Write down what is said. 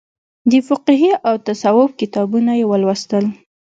د فقهي او تصوف کتابونه یې ولوستل.